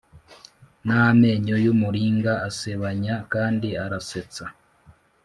n'amenyo yumuringa asebanya kandi arasetsa